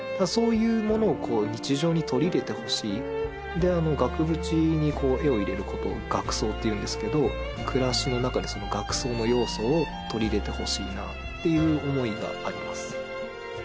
そういうものを日常に取り入れてほしい額縁に絵を入れることを額装っていうんですけど暮らしの中でその額装の要素を取り入れてほしいなっていう思いがあります